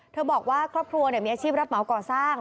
เธอบอกว่าครอบครัวมีอาชีพรับเมาส์เกาะสร้าง